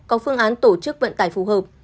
có phương án tổ chức vận tải phù hợp